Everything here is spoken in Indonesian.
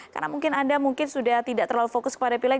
karena mungkin anda sudah tidak terlalu fokus kepada pilek